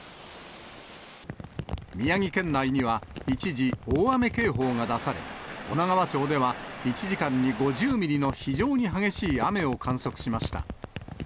宮城県内には一時、大雨警報が出され、女川町では１時間に５０ミリの非常に激しい雨を観測しました。